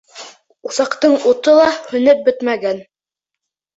Усаҡтың уты ла һүнеп бөтмәгән.